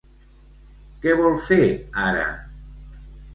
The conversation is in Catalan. Què vol fer ara?